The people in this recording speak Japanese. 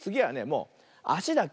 もうあしだけ。